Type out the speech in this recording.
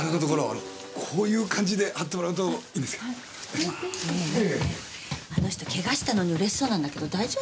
ねえなんかねあの人怪我したのに嬉しそうなんだけど大丈夫？